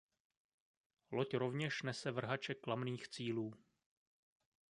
Loď rovněž nese vrhače klamných cílů.